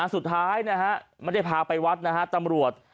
สุดท้ายไม่ได้พาไปวัดตำรวจ